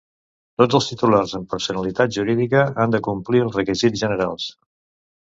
Tots els titulars amb personalitat jurídica han de complir els requisits generals.